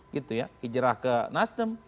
gitu ya hijrah ke nasdem